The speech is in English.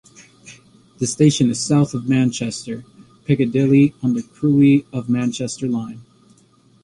The station is south of Manchester Piccadilly on the Crewe to Manchester Line.